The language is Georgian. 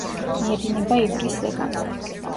მიედინება ივრის ზეგანზე.